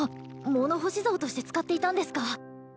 物干し竿として使っていたんですか？